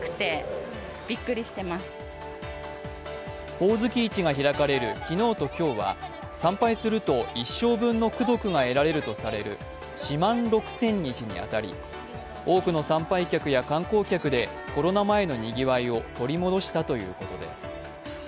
ほおずき市が開かれる昨日と今日は参拝すると一生分の功徳が得られるとされる四万六千日に当たり多くの参拝客や観光客でコロナ前のにぎわいを取り戻したということです。